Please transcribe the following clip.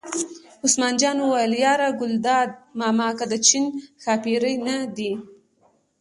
عثمان جان وویل: یار ګلداد ماما که د چین ښاپېرۍ نه دي.